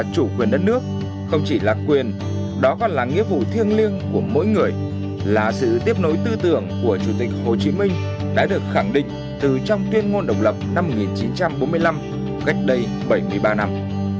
tuyên ngôn độc lập năm một nghìn chín trăm bốn mươi năm cách đây bảy mươi ba năm